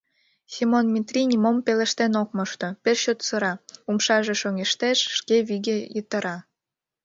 Семон Метри нимом пелештен ок мошто, пеш чот сыра, умшаже шоҥештеш, шке виге йытыра.